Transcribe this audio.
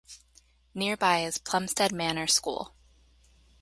Nearby is Plumstead Manor School.